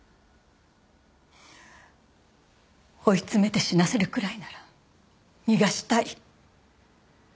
追い詰めて死なせるくらいなら逃がしたい。